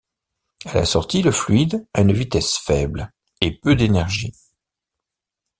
À la sortie, le fluide a une vitesse faible et peu d'énergie.